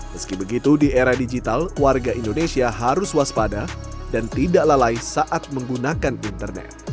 meski begitu di era digital warga indonesia harus waspada dan tidak lalai saat menggunakan internet